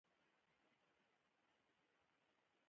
په اقتصادي ډیپلوماسي کې نور وزارتونه هم دخیل دي